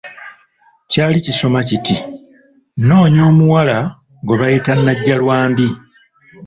Kyali kisoma kiti; "Nnoonya omuwala gwe bayita Najjalwambi"